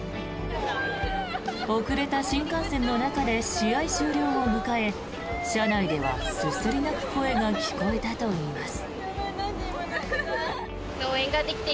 遅れた新幹線の中で試合終了を迎え車内ではすすり泣く声が聞こえたといいます。